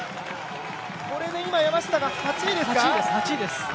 これで今、山下が８位ですか？